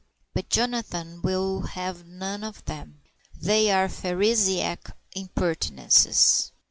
But Jonathan will have none of them. They are Pharisaic impertinences.